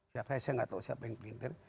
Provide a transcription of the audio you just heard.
saya tidak tahu siapa yang pinter